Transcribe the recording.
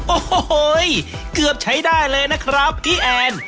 โอ้โหเกือบใช้ได้เลยนะครับพี่แอน